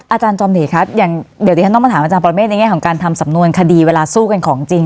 อาจารย์จอมศรีครับอย่างเดี๋ยวที่ฉันต้องมาถามอาจารย์ปรเมฆในแง่ของการทำสำนวนคดีเวลาสู้กันของจริง